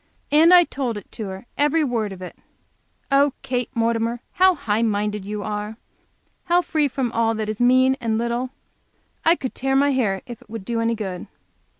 And I told it to her, every word of it! Oh, Kate Mortimer, how "high minded" you are! How free from all that is "mean and little"! I could tear my hair if it would do any good?